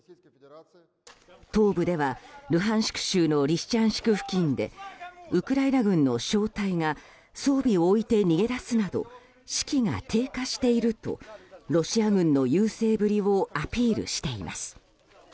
東部ではルハンシク州のリシチャンシク付近でウクライナ軍の小隊が装備を置いて逃げ出すなど士気が低下しているとロシア軍の優勢ぶりをアピールしています。